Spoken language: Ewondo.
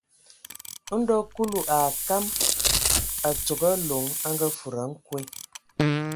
Ndo Kulu a akam a tsogo Aloŋ a ngafudi a nkwe.